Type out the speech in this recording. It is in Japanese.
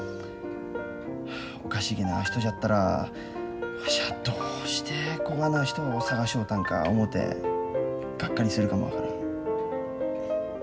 おかしげな人じゃったらわしはどうしてこがな人を捜しよったんか思てがっかりするかも分からん。